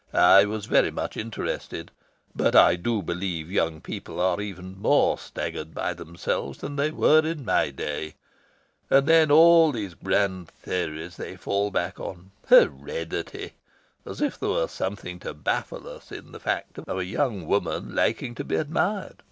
"I was very much interested. But I do believe young people are even more staggered by themselves than they were in my day. And then, all these grand theories they fall back on! Heredity... as if there were something to baffle us in the fact of a young woman liking to be admired!